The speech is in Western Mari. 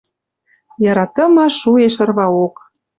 Яратымаш шуэш ырваок.